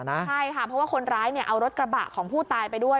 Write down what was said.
ใช่ค่ะเพราะว่าคนร้ายเอารถกระบะของผู้ตายไปด้วย